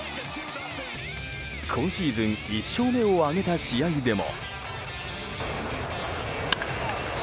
今シーズン１勝目を挙げた試合でも。